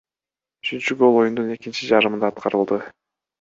Үчүнчү гол оюндун экинчи жарымында аткарылды.